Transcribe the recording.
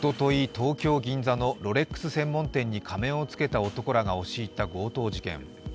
東京・銀座のロレックス専門店に仮面を着けた男らが押し入った強盗事件。